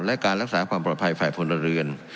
และการรักษาความปลอดภัยฝ่ายพลเรือน